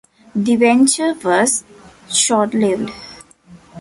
The venture was short-lived.